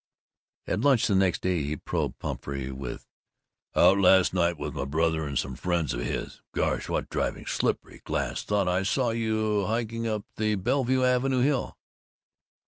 At lunch next day he probed Pumphrey with "Out last night with my brother and some friends of his. Gosh, what driving! Slippery's glass. Thought I saw you hiking up the Bellevue Avenue Hill."